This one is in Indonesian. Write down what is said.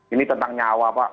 ini tentang nyawa pak